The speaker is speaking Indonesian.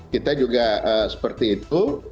kita juga seperti itu